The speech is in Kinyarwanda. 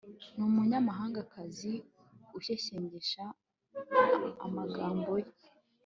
Numunyamahangakazi ushyeshyengesha amagambo ye